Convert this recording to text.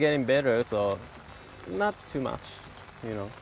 คุณต้องเป็นผู้งาน